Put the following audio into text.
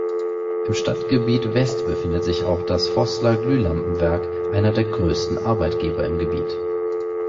Im Stadtgebiet West befindet sich auch das Vosla-Glühlampenwerk, einer der größten Arbeitgeber im Gebiet.